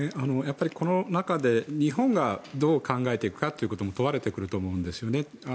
この中で日本がどう考えていくかということも問われてくると思うんですよね。